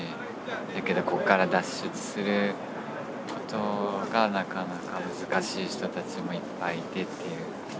だけどこっから脱出することがなかなか難しい人たちもいっぱいいてっていう。